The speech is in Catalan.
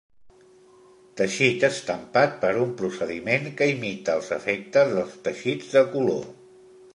Teixit estampat per un procediment que imita els efectes dels teixits de color.